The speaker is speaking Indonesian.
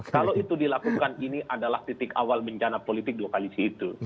kalau itu dilakukan ini adalah titik awal bencana politik dua kali itu